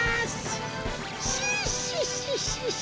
シシッシッシッ。